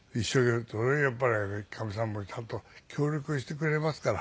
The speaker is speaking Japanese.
それはやっぱりかみさんもちゃんと協力してくれますから。